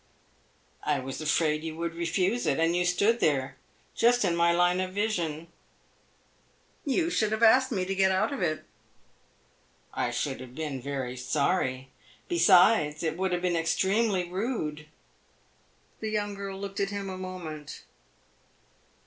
"I was afraid you would refuse it; and you stood there, just in my line of vision." "You should have asked me to get out of it." "I should have been very sorry. Besides, it would have been extremely rude." The young girl looked at him a moment.